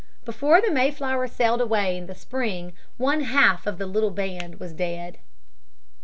Before the Mayflower sailed away in the spring one half of the little band was dead.